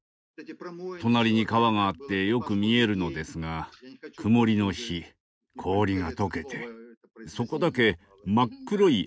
隣に川があってよく見えるのですが曇りの日氷がとけてそこだけ真っ黒い穴に見えました。